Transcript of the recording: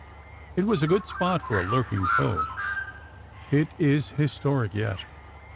It was a good spot for a lurking foe. It is historic yet.